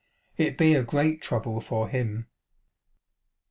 It be a great trouble for him."